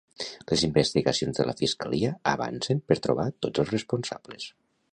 Les investigacions de la Fiscalia avancen per trobar tots els responsables.